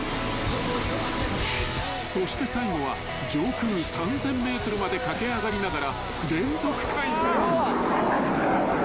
［そして最後は上空３，０００ｍまで駆け上がりながら連続回転］